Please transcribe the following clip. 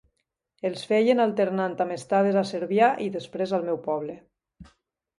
Els feien alternant amb estades a Cervià i després al meu poble.